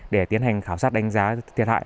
để tiến hành khảo sát đánh giá thiệt hại